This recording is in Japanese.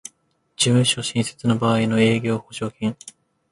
事務所新設の場合の営業保証金